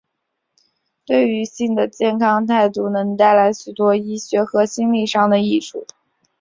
对于性的健康态度能带来许多医学和心里上的益处。